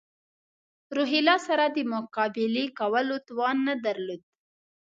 روهیله سره د مقابلې کولو توان نه درلود.